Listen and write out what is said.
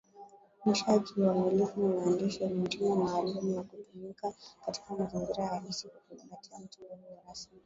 Insha za kiuamilifu ni maandishi yenye mtindo maalum na hutumika katika mazingira halisi kwa kuzingatia mtindo huo rasmi.